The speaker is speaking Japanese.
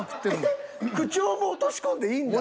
えっ口調も落とし込んでいいんだ。